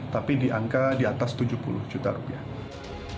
tapi di angka di atas tujuh puluh juta rupiah